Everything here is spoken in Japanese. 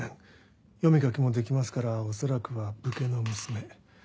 読み書きもできますから恐らくは武家の娘。